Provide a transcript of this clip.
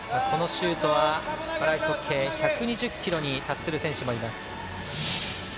このシュートはパラアイスホッケー１２０キロに達する選手もいます。